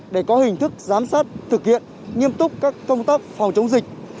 để có hình thức giám sát thực hiện nghiêm túc các công tác phòng chống dịch